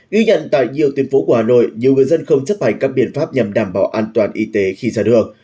ghi nhận tại nhiều tuyến phố của hà nội nhiều người dân không chấp hành các biện pháp nhằm đảm bảo an toàn y tế khi ra đường